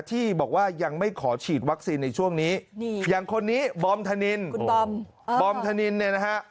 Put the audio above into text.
ที่บอกว่ายังไม่ขอฉีดวัคซีนในช่วงนี้อย่างคนนี้บอมธนินคุณบอมบอมธนินเนี่ยนะฮะ